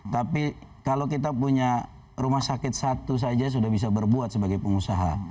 tapi kalau kita punya rumah sakit satu saja sudah bisa berbuat sebagai pengusaha